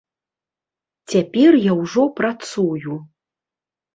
Цяпер я ўжо працую.